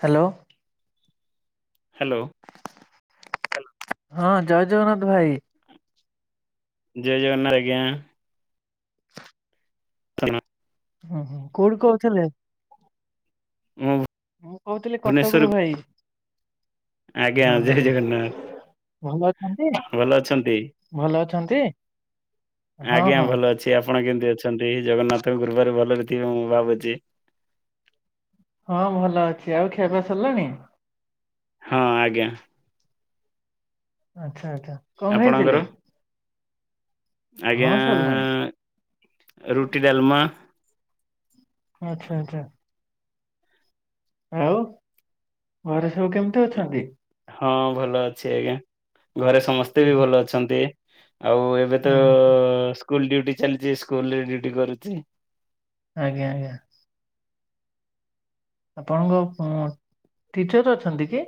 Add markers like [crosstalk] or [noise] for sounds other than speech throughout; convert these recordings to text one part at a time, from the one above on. Hello. Hello. [inaudible] ହଁ, ଜୟ ଜଗନ୍ନାଥ ଭାଇ। ଜୟ ଜଗନ୍ନାଥ, ଆଜ୍ଞା। ହୁଁ ହୁଁ କୋଉଠୁ କହୁଥିଲେ? ମୁଁ ମୁଁ କହୁଥିଲି ଭୁବନେଶ୍ଵର କଟକରୁ ଭାଇ। ଆଜ୍ଞା, ହଁ ହଁ ଜୟ ଜଗନ୍ନାଥ। ଭଲ ଅଛନ୍ତି, ଭଲ ଅଛନ୍ତି? ଭଲ ଅଛନ୍ତି? ହଁ ଆଜ୍ଞା ହଁ ଭଲ ଅଛି ଆପଣ କେମତି ଅଛନ୍ତି? ଜଗନ୍ନାଥଙ୍କ କୃପାରୁ ଭଲରେ ଥିବେ ମୁଁ ଭାବୁଛି। ହଁ ଭଲ ଅଛି ଆଉ ଖିଆ ପିଆ ସରିଲାଣି? ହଁ ଆଜ୍ଞା। ଆଚ୍ଛା ଆଚ୍ଛା କଣ ଆପଣଙ୍କର ଖାଇଥିଲେ? ଆଜ୍ଞା ହଁ ସରିଲାଣି ଆ ରୁଟି ଡାଲମା। ଆଚ୍ଛା ଆଚ୍ଛା। ଆଉ ଘରେ ସବୁ କେମିତି ଅଛନ୍ତି? ହଁ ଭଲ ଅଛି ଆଜ୍ଞା। ଘରେ ସମସ୍ତେ ବି ଭଲ ଅଛନ୍ତି। ଆଉ ଏବେ ତ ସ୍କୁଲ ଡୁଟି ଚାଲିଛି ସ୍କୁଲରେ ଡୁଟି କରୁଛି। ଆଜ୍ଞା ଆଜ୍ଞା। ଆପଣଙ୍କ-ଅ ଟିଚର ଅଛନ୍ତି କି?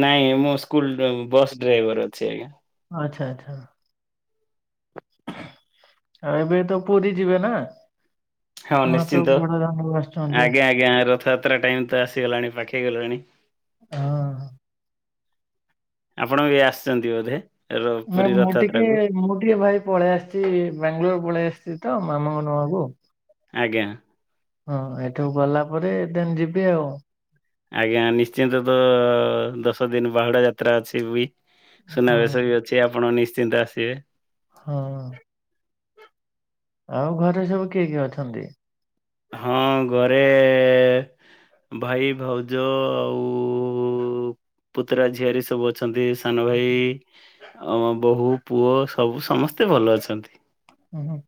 ନାଇଁ ମୁଁ ସ୍କୁଲ ବ ବସ୍ ଡ୍ରାଇଭର ଅଛି ଆଜ୍ଞା। ଆଛା ଆଛା। ଆଉ ଏବେ ତ ପୁରୀ ଯିବ ନା? ହଁ ମହାପ୍ରଭୁ ନିଶ୍ଚିନ୍ତ। ବଡଦାଣ୍ଡକୁ ଆସୁଛନ୍ତି ଆଜ୍ଞା ଆଜ୍ଞା ରଥଯାତ୍ରା ଟାଇମ ତ ଆସିଗଲାଣି ପାଖେଇ ଗଲାଣି। ହଁ। ଆପଣ ଏବେ ଆସିଛନ୍ତି ବୋଧେ? ର ନା ପୁରୀ ମୁଁ ଟିକେ ରଥଯାତ୍ରାକୁ? ମୁଁ ଟିକେ ଭାଇ ପଳେଇ ଆସିଛିି ଏ ବାଙ୍ଗାଲୋର ପଳେଇ ଆସିଛି ତ ମାମାଙ୍କୁ ନବାକୁୁ। ଆଜ୍ଞା। ହଁ ଏଠୁ ଗଲା ପରେ ଦେନ୍ ଯିବି ଆଉ। ଆଜ୍ଞା ନିଶ୍ଚିନ୍ତ ତ ଦଶ ଦିନ ବାହୁଡା ଯାତ୍ରା ଅଛି ବି। ହଁ ସୁନାବେଶ ବି ଅଛି ଆପଣ ନିଶ୍ଚିନ୍ତ ଆସିବେ। ହଁ। ଆଉ ଘରେ ସବୁ କିଏ କିଏ ଅଛନ୍ତି? ହଁ ଘରେ ଏ ଏ ଭାଇ ଭାଉଜ ଆଉ-ଉ-ଉ ପୁତୁରା ଝିଆରି ସବୁ ଅ ଅଛନ୍ତି ସାନ ଭାଇ ଆମ ବୋହୂ ପୁଅ ସବୁ ସମସ୍ତେ ଭଲ ଅଛନ୍ତି। ହୁଁ ହୁଁ।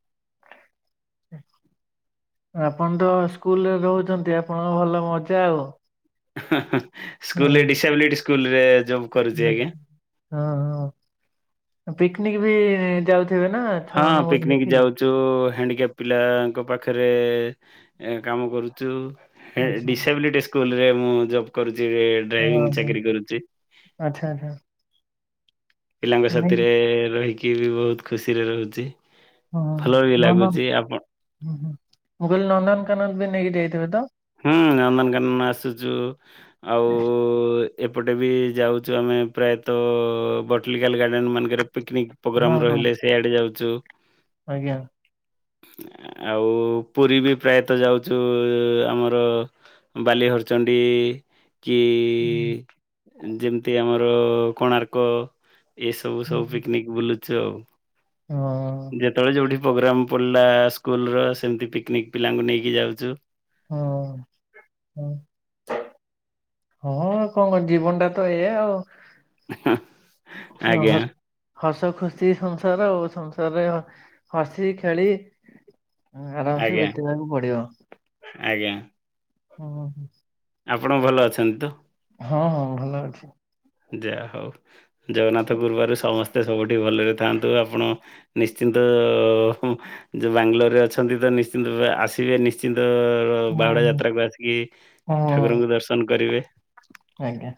ଆପଣ ତ ସ୍କୁଲରେ ରହୁଛନ୍ତି ଆପଣଙ୍କ ଭଲ ମଜା ଆଉ। ହାଁ ହାଁ ହଁ ସ୍କୁଲ ଡିସାବିଲିଟି ସ୍କୁଲରେ ଯୋଉ ହଁ ହଁ ହଁ ପିକନିକ ବି ଯାଉ ଥିବ ନା ଛୁଆ ମାନଙ୍କ [unintelligible] ତୁ ହ୍ୟାଣ୍ଡିକ୍ୟାପ ପିଲାଙ୍କ ପାଖରେ ଏ କାମ କରୁଛୁ। ଏ ଆଚ୍ଛା ଡିସାବିଲିଟି ସ୍କୁଲରେ ମୁଁ ଜବ୍ କରୁଛି ଏବେ। ହଁ ହଁ ଆଚ୍ଛା ଆଚ୍ଛା। ପିଲାଙ୍କ ନେଇ ସାଥିରେ ରହିକି ବି ବହୁତ ଖୁସିରେ ରହୁଛି। ହୁଁ ଭଲ ବି ନନ୍ଦନ ଲାଗୁଛି ଆପଣ ହୁଁ ହୁଁ ମୁଁ କହିଲି ନନ୍ଦନକାନନ ବି ନେଇକି ଯାଇଥିବେ ତ? ହୁଁ ନନ୍ଦନକାନନ ଆସୁଛୁ। ଆଉ-ଉ-ଉ ଏପଟେ ବି ଯାଉଛୁ ଆମେ ପ୍ରାୟତଃ-ଅ ବ ଗାଡେନ ମାଙ୍କରେ ପିକନିକ ହଁ ପ୍ରୋଗ୍ରାମ ହଁ ରହିଲେ ସେଇଆଡେ ଯାଉଛୁ। ଆଜ୍ଞା। ଆଉ ପୁରୀ ବି ପ୍ରାୟତଃ ଯାଉଛୁ-ଉ-ଉ ଆମର ବାଲିହରଚଣ୍ଡୀ, ଇ, ଇ କି-ଇ-ଇ ଯେମିତି ଆମର-ଇ କୋଣାର୍କ। ଏସବୁ ସବୁ ପିକନିକ ବୁଲୁଛୁ ଆଉ। ହଁ ଯେତେବେଳେ ଯୋଉଠି ପ୍ରୋଗ୍ରାମ ପଲା ସ୍କୁଲ ର ସେମିତି ପିକ୍ନିକ ପିଲାଙ୍କୁ ନେଇକି ଯାଉଛୁ। ହଁ ହଁ। ହଁ କଣ କ ଜୀବନଟା ତ ଏଆ ଆଉ। ଆଜ୍ଞା ହ ହସ ଖୁସି ସଂସାର ଆଉ ସଂସାରରେ ହ ହସି ଖେଳି ଆରାମସେ ଆଜ୍ଞା ବତେଇବାକୁ ପଡିବ। ଆଜ୍ଞା ହ। ଆପଣ ଭଲ ଅଛନ୍ତି ତ? ହଁ ହଁ ଭଲ ଅଛି ଯାହା ହଉ ଜଗନ୍ନାଥ ପୁରୁବାରୁ ସମସ୍ତେ ସବୁଠି ଭଲରେ ଥାଆନ୍ତୁ ଆପଣ ନିଶ୍ଚିନ୍ତ। ଯୋଉ ବାଙ୍ଗାଲୋରରେ ଅଛନ୍ତି ତ ନିଶ୍ଚିନ୍ତ, ଆସିବେ ନିଶ୍ଚିନ୍ତ। ହଁ ବାହୁଡା ଯାତ୍ରାକୁ ଆସିକି ହଁ ହଁ, ଠାକୁରଙ୍କୁ ଦର୍ଶନ କରିବେ। ଆଜ୍ଞା।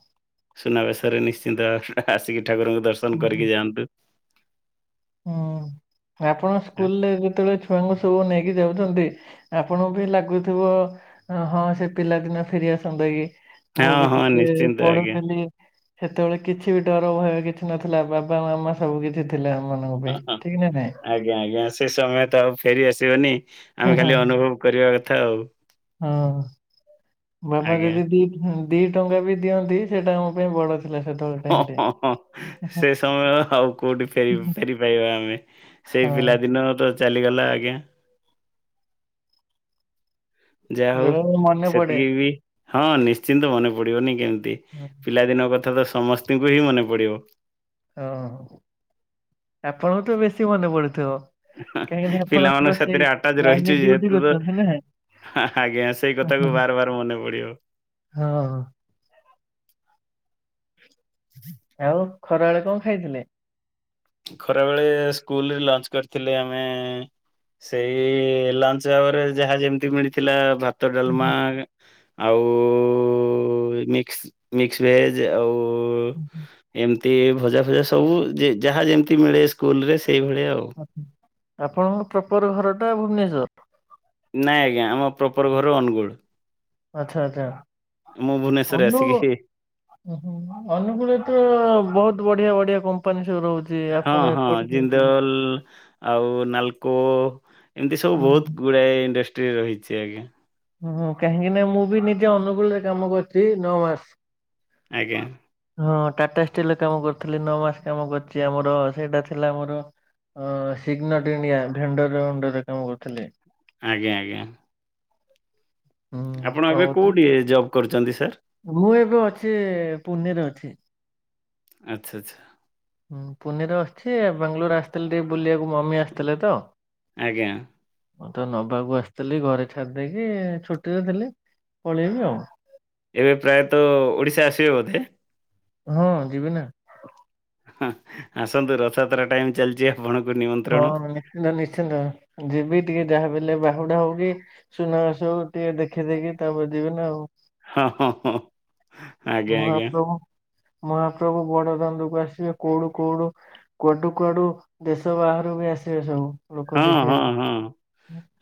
ସୁନାବେଶରେ ନିଶ୍ଚିନ୍ତ ଆସିକି ଠାକୁରଙ୍କୁ ଦର୍ଶନ କରିକି ଯାଆନ୍ତୁ। ହୁଁ ଆପଣ ସ୍କୁଲ ରେ ଯେତେବେଳେ ଛୁଆଙ୍କୁ ସବୁ ନେଇକି ଯାଉଛନ୍ତି। ଆପଣଙ୍କୁ ବି ଲାଗୁଥିବ ହଁ ସେ ପିଲାଦିନ ଫେରିଆସ ଦେଇକି। ମୁଁ ହଁ ବି ହଁ ଟିକେ ନିଶ୍ଚିନ୍ତ ଆଜ୍ଞା। ପଢୁଥିଲି। ସେତେବେଳେ କିଛି ବି ଡର ଭୟ କିଛି ନଥିଲା, ବାବା ମାମା ସବୁ କିଛି ଥିଲା। ମାନଙ୍କ ହଁ, ପାଇଁ ହଁ, ଠିକ ନା ନାଇଁ? ଆଜ୍ଞା ଆଜ୍ଞା। ସେ ସମୟ ତ ଆଉ ଫେରି ଆସିବନି ହଁ ଆମେ ହଁ। ଖାଲି ଅନୁଭବ କରିବା କଥା ଆଉ। ହଁ ବାପା ଆଜ୍ଞା ଯଦି ଦି ଦିଇ ଟଙ୍କା ବି ଦିଅନ୍ତି ସେଇଟା ଆମ ପାଇଁ ହଁ ବଡ଼। ହଁ [inaudible] [inaudible] ହଁ ସେ ସମୟ ଆଉ କୋଉଠି ଫେ ଫେରି ପାଇବା ଆମେ ସେଇ ହଁ ପିଲାଦିନ ତ ଚାଲିଗଲା ଆଜ୍ଞା। ଯାହା ହଉ ବେଳେ ବେଳେ ମନେ ପଡେ ସେତିକି ବି ହଁ ନିଶ୍ଚିନ୍ତ ମନେ ପଡିବନି କେମିତି ପିଲାଦିନ କଥା ତ ସମସ୍ତଙ୍କୁ ହିଁ ମନେ ପଡିବ। ହଁ ଆପଣଙ୍କୁ ତ ବେଶୀ ମନେ ପଡୁଥିବ। କାହିଁକିନା ପିଲାମାନଙ୍କ ଆପଣଙ୍କ ସେଇ ସାଥିରେ ଆଟାଚ ଲାଇନରେ ରହିଛୁ ଡ୍ୟୁଟି ଯେହେତୁ ତ କରୁଛନ୍ତି ନା। ଆଜ୍ଞା ସେଇ କଥା କୁ ବାର ବାର ମନେ ପଡିବ। ହଁ। ଆଉ, ଖରାବେଳେ କଣ ଖାଇଥିଲେ? ଖରା ବେଳେ ସ୍କୁଲରେ ଲଞ୍ଚ କରିଥିଲେ ଆମେ ସେଇ ଲଞ୍ଚ ଭାବରେ ଯାହା ଯେମିତି ମିଳିଥିଲା ଭ ଡାଲମା ହୁଁ, ଆଉ [unintelligible] ଭେଜ ଆଉ ହୁଁ, ଏମିତି ଭଜା, ଫଜା ସବୁ ଯେ ଯାହା ଯେମିତି ମିଳେ ସ୍କୁଲରେ ସେଇଭଳିଆ ଆଉ। ଆପଣଙ୍କ ପ୍ରପର ଘର ଟା ଭୁବନେଶ୍ୱର? ନାଇଁ ଆଜ୍ଞା, ଆମ ପ୍ରପର ଘର ଅନୁଗୁଳ। ଆଚ୍ଛା ଆଚ୍ଛା ମୁଁ ଭୁବନେଶ୍ଵରରେ ଆସିକି ଓ ହ ଅନୁଗୁଳ ତ ବହୁତ ବଢିଆ ବଢିଆ କମ୍ପାନୀ ସବୁ ରହୁଛି। ହଁ ଆପଣ ହଁ ଏପଟେ କାହିଁକି ଯାଉଛନ୍ତି? ଜିନ୍ଦଲ ଆଉ ନାଲକୋ ଏମିତି ସବୁ ବହୁତ ଗୁଡ଼ାଏ ଇଣ୍ଡଷ୍ଟ୍ରି ରହିଛି ଆଜ୍ଞା। ହୁଁ କାହିଁକି ନା ମୁଁ ବି ନିଜେ ଅନୁକୂଳରେ କାମ କରିୁଛି ନଅ ମାସ। ଆଜ୍ଞା। ହଁ ଟାଟା ଷ୍ଟିଲରେ କାମ କରିୁଥିଲି ନଅ ମାସ କାମ କରିଛି ଆମର ସେଇଟା ଥିଲା ଆମର ଅ ସିଗ୍ନଟ ଇଣ୍ଡିଆ ଭେଣ୍ଡରଅ ଣ୍ଡରେ କାମ କରୁଥିଲି। ଆଜ୍ଞା ଆଜ୍ଞା। ହୁଁ ଆପଣ ଏବେ କହୁଥିଲି କୋଉଠି ଜବ୍ କରୁଛନ୍ତି ସାର୍ ମୁଁ ଏବେ ଅଛି ପୁନେରେ ଅଛି। ଆଚ୍ଛା ଆଚ୍ଛା। ହୁଁ ପୁନେରେ ଅସିଛି ବାଙ୍ଗାଲୋର ଆସିଥିଲେ ଟିକେ ବୁଲିବାକୁ ମମି ଆସିଥିଲେ ତ। ଆଜ୍ଞା। ମୁଁ ତ ନବାକୁ ଆସିଥିଲି ଘରେ ଛାଡିଦେଇକି ଛୁଟିରେ ଥିଲି ପଳେଇବି ଆଉ ଏବେ ପ୍ରାୟତଃ ଓଡ଼ିଶା ଆସିବେ ବୋଧେ? ହଁ ଯିବି ନା। ହୁଁ ଆସନ୍ତୁ ରଥଯାତ୍ରା ଟାଇମ୍ ଚାଲିଛି ଆଉ [inaudible] ହଁ ନିଶ୍ଚିନ୍ତ ନିଶ୍ଚିନ୍ତ ଯିବି ଟିକେ ଯାହା ବିହେଲେ ବାହୁଡା ହୁଡ଼ି ସୁନା ବେଶକୁ ଟିକେ ଦେଖି ଦେଖି ତାପରେ ଯିବି ନା ଆଉ। ହଁ ହଁ ହଁ ଆଜ୍ଞା ଆଜ୍ଞା। ମହାପ୍ରଭୁ ମହାପ୍ରଭୁ ବଡଦାଣ୍ଡକୁ ଆସିବେ କୋଉଠୁ କୋଉଠୁ କୁଆଡୁ କୁଆଡୁ ଦେଶ ସବୁ ବାହାରୁ ବି ଆସିବେ ସବୁ। ଲୋକ ହଁ ହଁ ଦେଖିବାକୁ। ହଁ।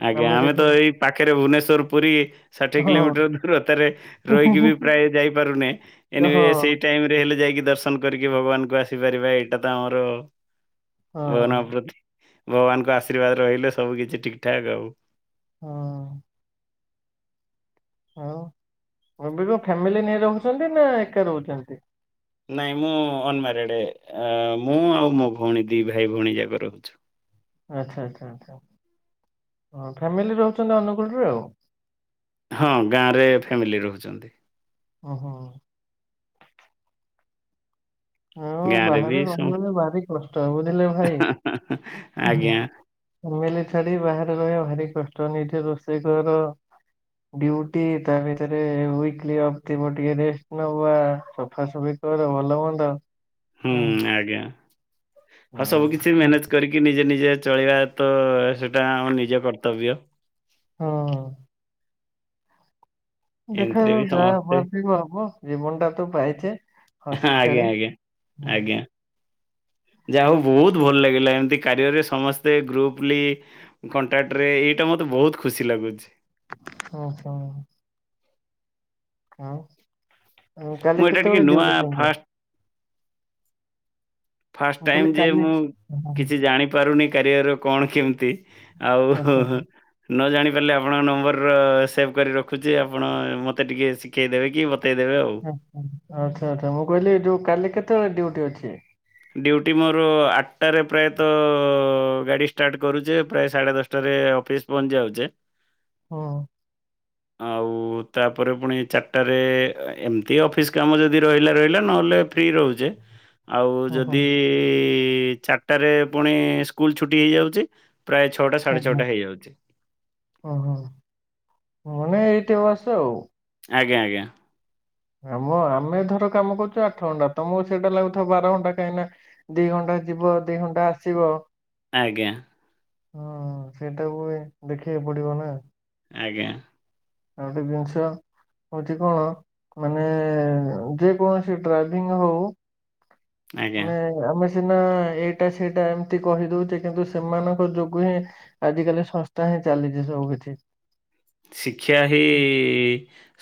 ଆଜ୍ଞା ଆମେ ତ ଏଇ ପାଖରେ ଭୁବନେଶ୍ୱର ପୁରୀ ଷାଠିଏ ହଁ କିଲୋମିଟର ତାରେ ରହିକି ହଁ ବି ପ୍ରାୟ ଯାଇପାରୁନେ ଏ ଅ, ନିଉଷ୍ଟେ ହଁ ଟାଇମ୍ ରେ ହେଲେ ଯାଇକି ଦର୍ଶନ କରିକି ଭଗବାନଙ୍କୁ ଆସିପାରିବା ଏଇଟା ତ ଆମର ଭଗବାନଙ୍କ ହଁ ପ୍ରତି ଭଗବାନଙ୍କ ଆଶୀର୍ବାଦ ରହିଲେ ସବୁ କିଛି ଠିକ୍ ଠାକ୍ ହବ। ଓହୋ। ଆଉ ଅବିକ ଫ୍ୟାମିଲି ନେଇ ରହୁଛନ୍ତି ନା ଏକା ରହୁଛନ୍ତି? ନାଇଁ ମୁଁ ଅନମାରେଡେ ମୁଁ ଆଉ ମୋ ଭଉଣୀ ଦି ଭାଇ ଭଉଣୀ ଯାକ ରହୁଛୁ। ଆଛା ଆଛା ଆଛା ହଁ ଫ୍ୟାମିଲି ରହୁଛନ୍ତି ଅନୁଗୁଳୁରେ ଆଉ। ହଁ ଗାଁରେ ଫ୍ୟାମିଲି ରହୁଛନ୍ତି। ଓହୋ। ଆଉ ଗାଁରେ ବି ବାହାରେ ସମ ରହିବାଟା ଭାରି କଷ୍ଟ ବୁଝିଲେ ଭାଇ? ଆଜ୍ଞା, ଫାମିଲି ଛାଡି ବାହାରେ ରହିବା ଭାରି କଷ୍ଟ ନିଜେ ରୋଷେଇ କର। ଡୁ୳ଟି ତା ଭିତରେ ୱେକଲି ଅଫ ଥିବ ଟିକେ ରେଷ୍ଟ ନବା ସଫା ସଫି କରିବା। ତୋର ଭଲ ମନ୍ଦ ହୁଁ ହଁ ଆଜ୍ଞା ହଁ ସବୁ କିଛି ମ୍ୟାନେଜ କରିକି ନିଜେ ନିଜେ ଚଳିବା ତ ସେଇଟା ଆମ ନିଜ କର୍ତ୍ତବ୍ୟ। ଓହୋ। ଏମିତିରେ ଦେଖାଯାଉ ବି ଯାହା ସମସ୍ତେ ଆମାର ହବ ଜୀବନ ଟା ତ ପାଇଛେ। ହସ ସେୟା ଆଜ୍ଞା ଆଜ୍ଞା ହିଁ। ଆଜ୍ଞା। ଯାହା ହଉ ବହୁତ ଭଲ ଲାଗିଲା ଏମିତି କାରିୟରେ ସମସ୍ତେ ଗ୍ରୁପଲି କଣ୍ଟାକ୍ଟ ରେ ଏଇଟା ମତେ ବହୁତ ଖୁସି ଲାଗୁଛି। ଓହୋ। ଆଉ ମୁଁ କାଲି ଏଇଟା ଟିକେ କେତେବେଳେ ନୂଆ ଡ୍ୟୁଟି ସାଙ୍ଗ? ଫାଷ୍ଟ ଫାଷ୍ଟ ମୁଁ କହିଲି ଟାଇମ୍ ଯେ କାଲି ମୁଁ ଓହୋ କିଛି ଜାଣିନି। ପାରୁନି କାରିୟର କଣ କେମିତି ଆଉ। ଆଚ୍ଛା ନ ଜାଣିପାରିଲେ ଆପଣଙ୍କ ନମ୍ବର ସେଭ୍ କରି ରଖୁଛି ଆପଣ ମୋତେ ଟିକିଏ ଶିଖାଇଦେବେ କି ବତେଇଦେବେ ଆଉ। ଆଚ୍ଛା ଆଚ୍ଛା ମୁଁ କହିଲି ଯୋଉ କାଲି କେତେବେଳେ ଡୁ୳ଟି ଅଛି? ଡ୍ୟୁଟି ମୋର ଆଠଟାରେ ପ୍ରାୟତଃ ଗାଡ଼ି ଷ୍ଟାର୍ଟ କରୁଛେ ପ୍ରାୟ ସାଢ଼େ ଦଶଟାରେ ଅଫିସ୍ ପହିଞ୍ଚି ଯାଉଛି। ହଁ। ଆଉ ତାପରେ ପୁଣି ଚାଟାରେ ଏମିତି ଅଫିସ୍ କାମ ଯଦି ରହିଲା ରହିଲା। ନହେଲେ ଫ୍ରି ରହୁଚେ ଆଉ ଓହୋ ଯଦି ଚାଟାରେ ପୁଣି ସ୍କୁଲ୍ ଛୁଟି ହେଇଯାଉଛି। ପ୍ରାୟ ଛୁ ଛଅଟା ସାଢେଛଅଟା ହୋଇଯାଉଛି। ଅଁ, ହଁ, ମାନେ ଏଇଟି ବସେ ଆଉ। ଆଜ୍ଞା, ଆଜ୍ଞା। ଆମ ଆମେ ଧର କାମ କରୁଚୁ ଆଠ ଘଣ୍ଟା। ତୋମକୁ ସେଇଟା ଲାଗୁଥିବ ବାର ଘଣ୍ଟା କାହିଁକି ନା ଦି ଘଣ୍ଟା ଯିବ ଦି ଘଣ୍ଟା ଆସିବ। ଆଜ୍ଞା। ଅଁ, ହଁ ସେଇଟାକୁ ଏ ଦେଖେଇଆ ପଡିବ ନା। ଆଜ୍ଞା। ଆଉ ଗୋଟେ ଜିନିଷ ହଉଛି କଣ ମାନେ ଯେ କୌଣସି ଡ୍ରାଇଭିଂ ହଉ। ଆଜ୍ଞା। ମାନେ ଆମେ ସିନା ଏଇଟା ସେଇଟା ଏମିତି କହି ଦଉଚେ। କିନ୍ତୁ ସେମାନଙ୍କ ଯୋଗୁ ହିଁ ଆଜ କାଲି ସଂସ୍ଥା ହିଁ ଚାଲିଚି ସବୁ କିଛି। ଶିକ୍ଷା ହିଁ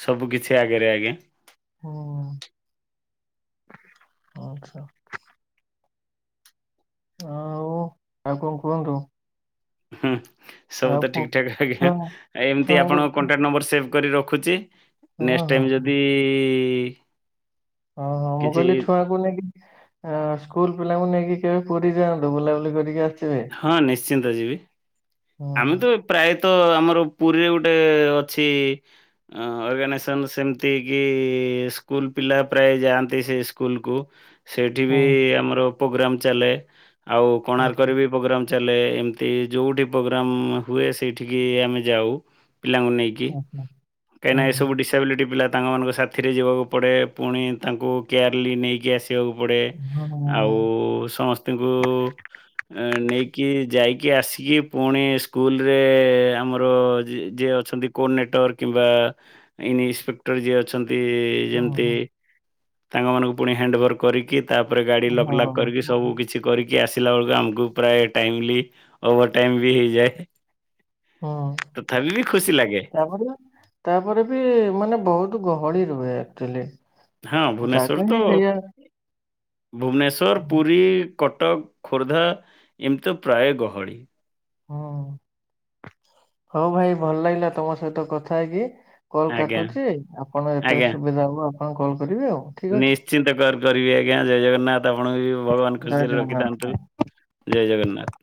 ସବୁ କିଛି ଆଗରେ ଆଜ୍ଞା। ହଁ, ଆଚ୍ଛା। ଆଉ ଆଉ କଣ କୁହନ୍ତୁ? ହୁଁ, ସବୁ ଆଉ ତ କୁ ଠିକ ଠାକ୍ ଆଜ୍ଞା। ଛୁଆ ଏମତି ଛୁଆଙ୍କୁ ଆପଣଙ୍କ କଣ୍ଟାକ୍ଟ ନମ୍ବର ସେଭ୍ କରି ରଖୁଛି। ହଁ ନେକ୍ସ ହଁ ଟାଇମ୍ ଯଦି ଓ ହଁ ମୁଁ କିଛି କହିଲି ଛୁଆକୁ ନେଇକି ଆଁ, ସ୍କୁଲ୍ ପିଲାଙ୍କୁ ନେଇକି କେବେ ପୁରୀ ଯାଆନ୍ତୁ ବୁଲାବୁଲି କରିକି ଆସ ହଁ ନିଶ୍ଚିନ୍ତ ଯିବି। ଆମେ ହୁଁ ତ ପ୍ରାୟତ ଆମର ପୁରୀରେ ଗୋଟେ ଅଛି। ଅଁ, ଅର୍ଗାନାଇଜେସନ୍ ସେମତିକି ସ୍କୁଲ୍ ପିଲା ପ୍ରାୟ ଯାଆନ୍ତି ସେଇ ସ୍କୁଲ୍ କୁୁ। ସେଇଠି ହୁଁ ବି ଆମର ପୋଗ୍ରାମ୍ ଚାଲେ। ଆଉ ହୁଁ କୋଣାର୍କରେ ବି ପୋଗ୍ରାମ୍ ଚାଲେ। ଏମତି ଯୋଉଠି ପ୍ରୋଗ୍ରାମ୍ ହୁଏ ସେଇଠିକି ଆମେ ଯାଉ ପିଲାଙ୍କୁ ନେଇ କି ହୁଁ କାଇଁନା ଏ ହୁଁ ସବୁ ଡିଶ ସାବିଲିଟି ପିଲା ତାଙ୍କ ମାନଙ୍କ ସାଥିରେ ଯିବାକୁ ପଡ଼େ। ପୁଣି ତାଙ୍କୁ କେୟାର୍ଲି ନେଇକି ଆସି ସିବାକୁ ପଡ଼େ। ହୁଁ ହୁଁ ହୁଁ ଆଉ ସଂନସ ତାଙ୍କୁ ଏଁ, ନେଇକି ଯାଇକି ଆସିକି ପୁଣି ସ୍କୁଲ୍ ରେ ଆମର ଯି-ଯିଏ ଅଛନ୍ତି କୋନେଟୱର୍ କିମ୍ବା ଇନସିପେକ୍ଟର ଯିଏ ଅଛନ୍ତି ଯେମତି ତାଙ୍କ ମାନଙ୍କୁ ପୁଣି ହେଣ୍ଡଭର୍ କରିକି ତାପରେ ଗାଡ଼ି ଲଗ୍ ଲାକ୍ ହୁଁ କରିକି ହୁଁ ସବୁ କିଛି କରିକି ଆସିଲା ବେଳକୁ ଆମକୁ ପ୍ରାୟ ଟାଇମଲି ଓଭର୍ ଟାଇମ୍ ବି ହେଇଯାଏ। ତଥାପି ବି ଖୁସି ଲାଗେ। ତୋମ ପୁରେ ତାପରେ ବି ମାନେ ବହୁତ ଗହଳି ରୁହେ ଆକ୍ଚୁଲି ହଁ ଭୁବନେଶ୍ୱର ଜାଗା ତ ହିଁ ସେଇଆ। ଭୁବନେଶ୍ଵର, ପୁରୀ, କଟକ, ଖୋର୍ଦ୍ଧା ଏମିତି ତ ପ୍ରାୟ ଗହଳି। ହଁ ହଉ ଭାଇ ଭଲ ଲାଗିଲା ତୋମ ସହିତ କଥା ହେଇକି। କଲ୍ ଆଜ୍ଞା, କାଟୁଛି, ଆପଣ ଯେତେଳେ ଆଜ୍ଞା। ସୁବିଧା ହବ ଆପଣ କଲ୍ କରିବେ ଆଉ। ଠିକ ଅଛି ନିଶ୍ଚିନ୍ତ କର କରିବି ଆଜ୍ଞା ଜୟ ଜଗନ୍ନାଥ ଆପଣଙ୍କୁ ବି ଭଗବାନ ଜୟ ଖୁସିରେ ଜଗନ୍ନାଥ। ରଖିଥାନ୍ତୁ। ଜୟ ଜଗନ୍ନାଥ।